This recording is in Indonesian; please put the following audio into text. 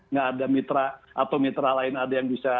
nggak ada mitra atau mitra lain ada yang bisa